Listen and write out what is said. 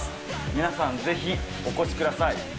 皆さん、ぜひお越しください。